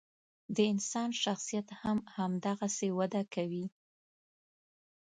د انسان شخصیت هم همدغسې وده کوي.